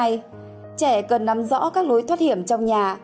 trẻ cần nắm rõ các lối thoát hiểm trong nhà